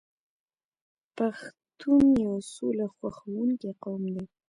پښتون یو سوله خوښوونکی قوم دی.